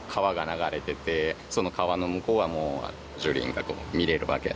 その川の向こうはもう樹林が見れるわけなんで。